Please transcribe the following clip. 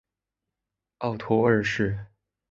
奥托二世。